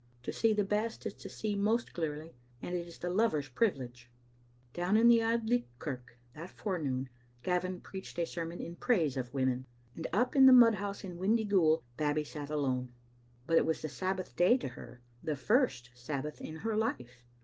To see the best is to see most clearly, and it is the lover's privilege. Down in the Auld Licht kirk that forenoon Gavin preached a sermon in praise of Woman, and up in the mudhouse in Windy ghoul Babbie sat alone. But it was the Sabbath day to her : the first Sabbath in her life.